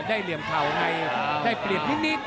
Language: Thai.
ได้เหลี่ยมเท่าในได้เปลี่ยนนิดนิด